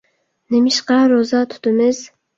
نېمىشقا روزا تۇتىمىز؟